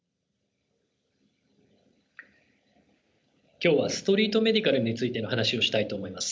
今日はストリート・メディカルについての話をしたいと思います。